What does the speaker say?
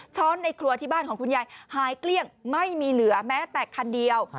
ในครัวที่บ้านของคุณยายหายเกลี้ยงไม่มีเหลือแม้แต่คันเดียว